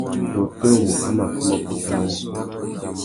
Tôtê wu a mà fuma pôt awô ?